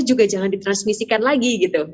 juga jangan ditransmisikan lagi gitu